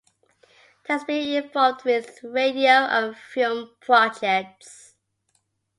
He has been involved with radio and film projects.